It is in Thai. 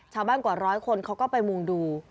ชาวบ้านกว่าร้อยคนเขาก็ไปมุ่งดู